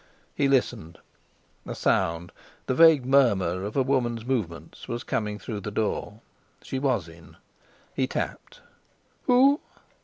He listened. A sound—the vague murmur of a woman's movements—was coming through the door. She was in. He tapped. "Who?"